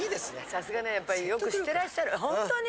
さすがねやっぱりよく知ってらっしゃるホントに。